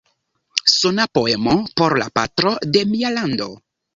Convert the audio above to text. Sona poemo por la patro de mia lando".